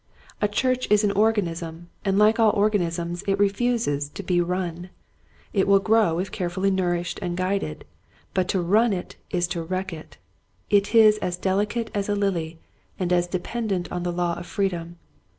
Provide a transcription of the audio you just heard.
A church is an organism and Hke all organ isms it refuses to be run. It will grow if carefully nourished and guided, but to run it is to wreck it. It is as delicate as a lily and as dependent on the law of free dom.